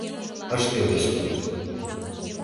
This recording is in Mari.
Ыш пелеште.